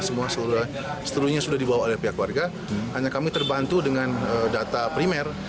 setelahnya sudah dibawa oleh pihak keluarga hanya kami terbantu dengan data primer